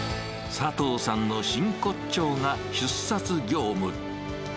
佐藤さんの真骨頂が出札業務。